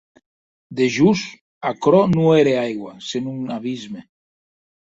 Dejós, aquerò non ère aigua, senon abisme.